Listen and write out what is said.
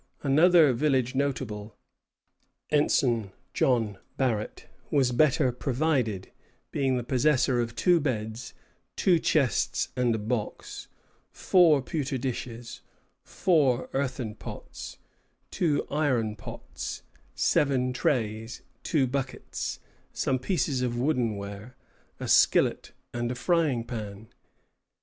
Another village notable Ensign John Barrett was better provided, being the possessor of two beds, two chests and a box, four pewter dishes, four earthen pots, two iron pots, seven trays, two buckets, some pieces of wooden ware, a skillet, and a frying pan.